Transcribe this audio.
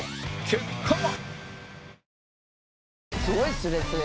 結果は